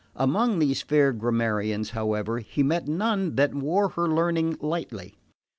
Among these fair grammarians, however, he met none that wore her learning lightly.